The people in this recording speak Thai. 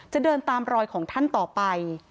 จะเดินตามรอยของท่านต่อไป